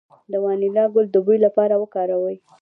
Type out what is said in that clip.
د وانیلا ګل د بوی لپاره وکاروئ